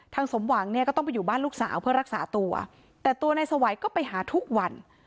สมหวังเนี่ยก็ต้องไปอยู่บ้านลูกสาวเพื่อรักษาตัวแต่ตัวนายสวัยก็ไปหาทุกวัน